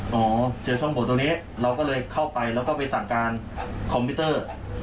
หมอเจอช่องโผล่ตรงนี้เราก็เลยเข้าไปแล้วก็ไปสั่งการคอมพิวเตอร์